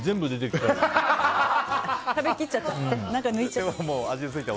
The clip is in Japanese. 食べきっちゃって。